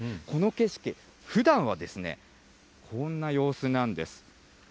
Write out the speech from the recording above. この景色、ふだんはこんな様子なんです。